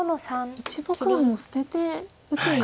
１目はもう捨てて打つんですね。